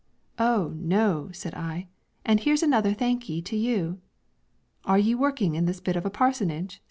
'Oh, no,' said I, 'and here is another thank ye to you.' 'Are you working in this here bit of a parsonage?'